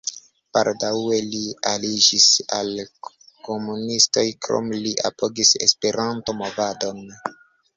Baldaŭe li aliĝis al komunistoj, krome li apogis Esperanto-movadon.